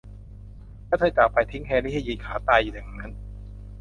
และเธอจากไป ทิ้งแฮรี่ให้ยืนขาตายอยู่อย่างนั้น